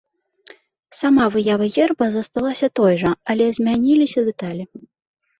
Сама выява герба засталася той жа, але змяніліся дэталі.